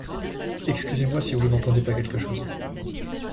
Excusez-moi si vous n’entendez pas quelque chose.